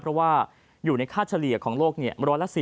เพราะว่าอยู่ในค่าเฉลี่ยของโลก๑๔๐